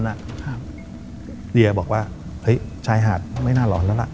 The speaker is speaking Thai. อะครับเดี๋ยวบอกว่าเฮ้ยชายหาดไม่น่าหลอนแล้วล่ะอ่า